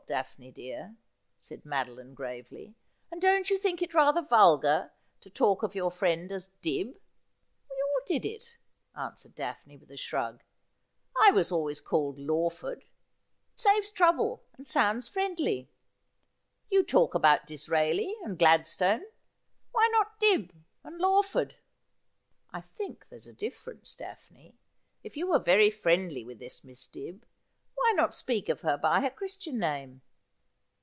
Daphne dear,' said Madoline gravely ;' and don't you think it rather vulgar to talk of your friend as Dibb ?' 'We all did it,' answered Daphne with a shrug ; 'I was al ways called Lawford. It saves trouble, and sounds friendly. You talk about Disraeli and Gladstone ; why not Dibb and Lawford ?'' I think there's a difference. Daphne. If you were very friendly with this Miss Dibb, why not speak of her by her christian name